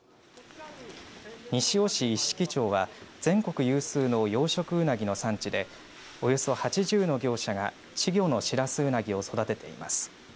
西尾市一色町は全国有数の養殖ウナギの産地でおよそ８０の業者が稚魚のシラスウナギを育てています。